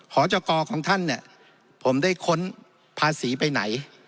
หจกของท่านเนี่ยผมได้ค้นภาษีไปไหน